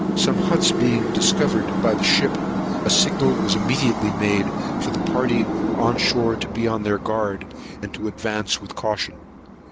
Some huts being discovered by the ship, a signal was immediately made for the party on shore to be on their guard, and to advance with caution.